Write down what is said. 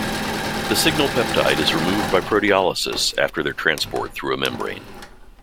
This signal peptide is removed by proteolysis after their transport through a membrane.